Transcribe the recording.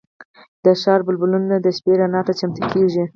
د ښار بلبونه د شپې رڼا ته چمتو کېږي.